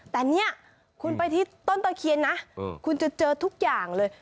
แต่เนี่ยคุณไปที่ต้นตะเคียนนะคุณจะเจอทุกอย่างเลย